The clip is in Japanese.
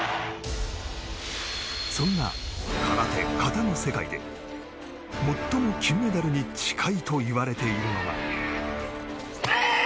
そんな空手形の世界で最も金メダルに近いといわれているのが。